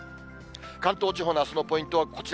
関東地方のあすのポイントはこちら。